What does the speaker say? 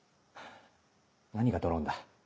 何がドローンだ。